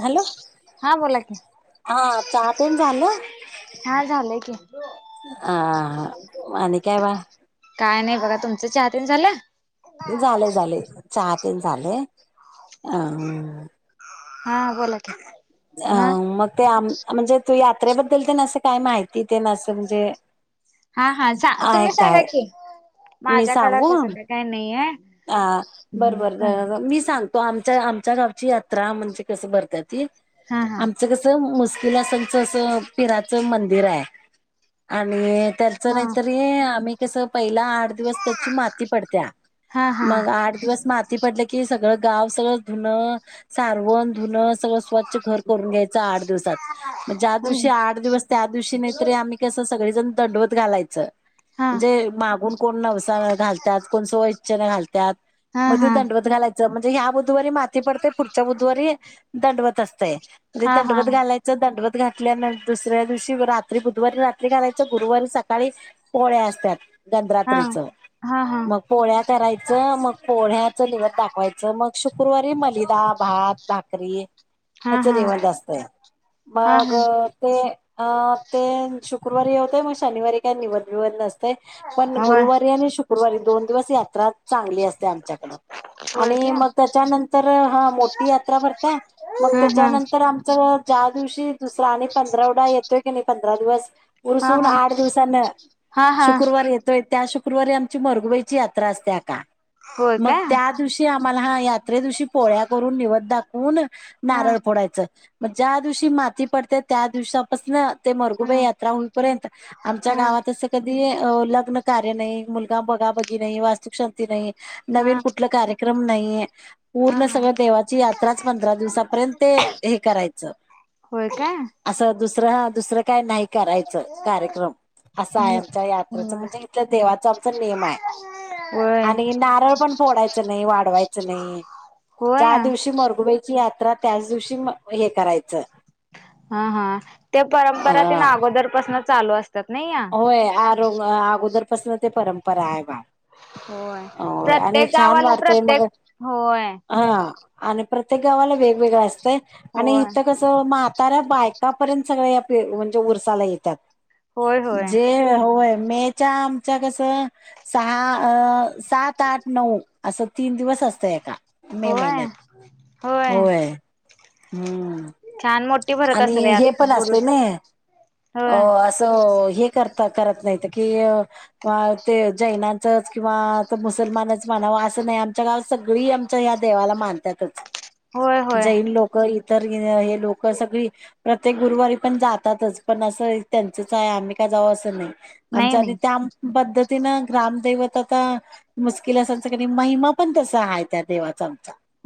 Hello,, हा बोला की हा चहा तेन ऽऽ झालं,, हा झालंय की अ आणि काय बाळऽऽ काय नाही बघा तुमचं चहा तीन झालं, झाले, झालेय,, चहातेन झालेय अऽऽ हा बोला की, अ,, मग ते आम म्हणजे तू यात्रेबद्दल ते नां असं काय माहिितऽऽ तिथे नां असं म्हणजे, आहे काय. माझ्या काळात असं तर काय नाहियेत. हा,, बरबर मी सांगतो आमच्या, आमच्या गावची यात्रा म्हणजे कस भरत्यात. ते हा हा आमचं कसं मुस्किलासनचं असं पिराच मंदिर आ आणि, त्याच हा नाहीतरी आम्ही कस पहिऽऽ ला आठ दिवस त्याची माती पडत्या, हा हा मग आठ दिवस माती पडल की सगळंऽऽ गाव सगळं धुणं सारवण धुणंऽऽ मग सगळं घर स्वच्छ करून घ्यायचं आठ दिवसांत. म ज्या हा दिवशी आठ दिवस त्या दिवशीच सगळीजण दंडवत घालायचं,, हा म्हणजे मागून कोण नवसा घालत्यात, कोण सवऽऽ घालत्यात, हा हा मग ते दंडवत घालायचं, म्हणजे ह्या बुधवारी माती पडतय पुढच्या बुधवारीऽऽ दंडवत असतय, म्हणजे हा हा दंडवत हा घालायचं दंडवत घातल्यानंतर दुसऱ्या दिवशी रात्रीऽऽ गुरुवारी रात्री घालायचं गुरुवारी सकाळी पोळ्या असतात गधरात्रीच मग पोळ्या करायचं मग पोळ्या च निवद दाखवायचं मग शुक्रवारी मलिदा भात भाकरी हा ह्याच हा जेवण जास्त आहे हा हा मग ते अ ते शुक्रवारी यवतय मग शनिवारी काय निवद बीवद काय नसते पण होय गुरुवारी आणि शुक्रवारी दोन दिवस यात्रा चांगली असते आमच्याकडं होय आणि काय मग त्याच्यानंतर हा मोठी यात्रा भरत मग हा हा त्याच्यानंतर आमच त्या दिवशी दुसरा आणि पंधरावडा येतोय की नाही पंधरा दिवस हा उरसून आठ हा दिवसान हा हा शुक्रवार येतोय त्या शु गुरुवारी आमची मरगुईची यात्रा असते आका होय मग काय त्या दिवशी आम्हाला हा यात्रे दिवशी पोळ्या करून निवद दाखवून हा हा नारळ फोडायचं मग ज्या दिवशी माती पडते त्या दिवपासन ते हा मरघुबे यात्रा होईपर्यंत आमच्या गावात अस कधी लग्न कार्य नाही मुलगा बगा बगी नाही वास्तुकशांती नाही हा नवीन कुठलं कार्यक्रम म नाही हा पूर्ण हा सगळं देवाची यात्राच पंधरा दिवसापर्यंत हे करायचं होय का असं दुसरं ह दुसरं काही नाही करायचं कार्यक्रम असं आहे आमच्या यात्रेचं होय म्हणजे इथल्या देवाचा आमचा नेम आहे होय आणि नारळ पण फोडायच नाही वाढवायचं नाही ज्या होय दिवशी मरगुबईची यात्रा त्याच दिवशी हे करायचं हा हा ते परंपरा अ तने अगोदर पाासून चालू असत होय आ अगोदरपासून ते परंपरा आहे बा होय हो आणि प्रत्येक छान गावाला वाटतय मग प्रत्येक होय हा आणि प्रत्येक गावाला वेगवेगळं असतंय आणि होय इथं कसं म म्हाताऱ्या बायका पर्यंत सगळ म्हणजे उरसाला येतात होय होय जे मेच्या आमच्या कस सहा सात आठ नऊ असं तीन दिवस असतंय आका मे होय महिन्यात होय हम् छान मोठी भरत आणि असेल हे यात पण असत उरूस ना होय अस त नाही की ते जैनाचच किंवा मुसालमान असं नाही आमच्या गाव सगळी आमच्या ह्या देवाला मानतातच होय होय जैन लोक तर हे लोक सगळी प्रत्येक गुरुवारी पण जातातच पण असं आम्ही का आमीच जावावं असा नाही नाई नाही ना ग्रामदवत आता मुश्किल असन महिमा पण तसा आहे त्या देवाचा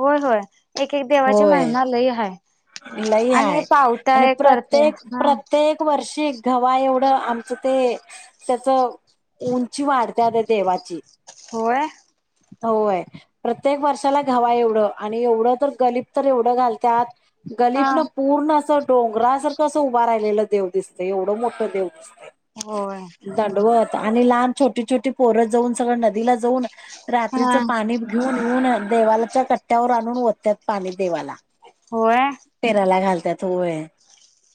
होय होय एक एक देवाची महिमालय आहे लय हय आणि करते प्रत्येक हा प्रत्येक वर्षी गवा्हा एवढं आमचं ते त्याच उंची वाढत देवाची होय होय प्रत्येक वर्षाला घावा एवढं आणि एवढं तर गलीब तर एवढं घालतत हा गलिप न पूर्ण असं डोंगरा सारखं असं उभा राहिलेलं देव दिसते एवढं मोठं देव दिसत हो आणि लहान छोटी छोटी पोरं जाऊन सगळं नदीला जाऊन रात्रीच हा पाणी घेऊन येऊन देवालाच्या कट्ट्यावर आणून वत्यात पाणी देवाला अच्ा [inaudible] फेराला घालतात वय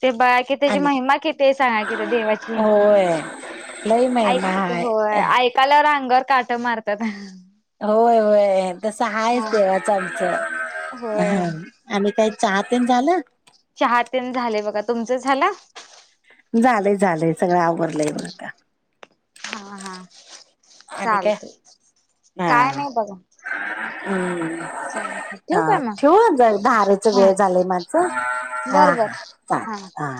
ते बळा कि त्याची महिमा किती सांगा त्या देवाची होय लई ऐक महिमा हाय होय ऐकायलावर अंगावर काट मारतात होय होय तसं हा आहेच देवाच आमच होय ह आम्ही काही चहातेन झालं चहा तेन झाले बघा तुमच झाला झालंय झालंय सगळं आवरलंय बघ का हा हा काय चालत हा काय नाही बघा हम्म चालतय ठेवू अ काय मग? ठेव जर धारेच हा वेळ झालाय माझं हम हा बर ह बर हा